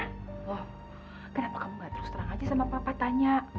wah kenapa kamu gak terus terang aja sama papa tanya